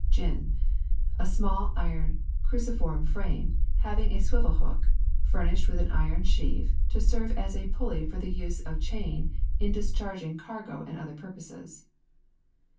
GIN. A small iron cruciform frame, having a swivel hook, furnished with an iron sheave, to serve as a pulley for the use of chain in discharging cargo and other purposes.